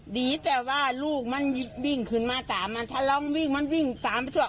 ดีแต่ว่าลูกมันวิ่งขึ้นมาตามมาทะเลามันวิ่งตามไปช่วย